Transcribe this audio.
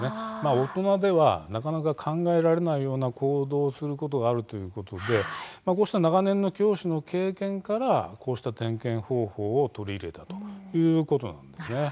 大人では、なかなか考えられないような行動をすることがあるということでこうした長年の教師の経験からこうした点検方法を取り入れたということなんです。